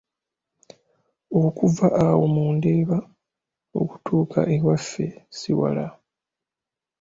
Okuva awo mu Ndeeba okutuuka ewaffe ssi wala.